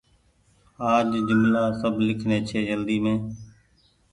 آج جملآ سب لکڻي ڇي جلدي مين ۔